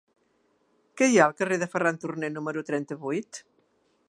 Què hi ha al carrer de Ferran Turné número trenta-vuit?